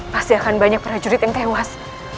pasti akan banyak prajurit yang tewas